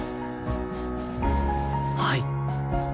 はい。